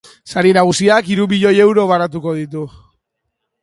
Sari nagusiak hiru milioi euro banatuko ditu.